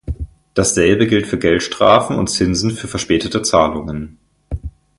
Dasselbe gilt für Geldstrafen und Zinsen für verspätete Zahlungen.